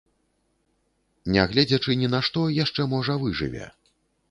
Не гледзячы ні на што, яшчэ можа выжыве.